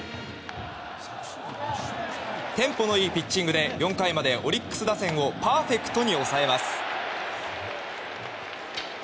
テンポのいいピッチングで４回まで、オリックス打線をパーフェクトに抑えます。